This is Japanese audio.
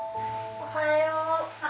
おはよう。